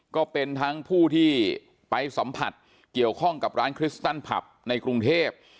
ก็เป็นทั้งผู้ที่ไปสัมผัสเกี่ยวข้องกับร้านคริสตันผับในกรุงเทพ